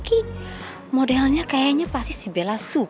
kenapa dasar awalnya begitu panjang itu